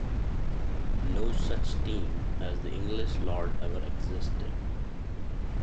No such team as the English Lords ever existed.